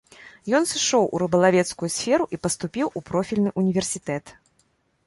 Ён сышоў у рыбалавецкую сферу і паступіў у профільны ўніверсітэт.